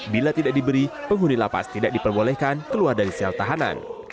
bila tidak diberi penghuni lapas tidak diperbolehkan keluar dari sel tahanan